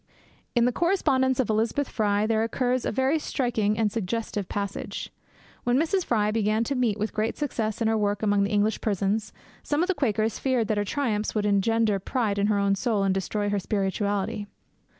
In the correspondence of Elizabeth Fry there occurs a very striking and suggestive passage. When Mrs. Fry began to meet with great success in her work among the English prisons, some of the Quakers feared that her triumphs would engender pride in her own soul and destroy her spirituality.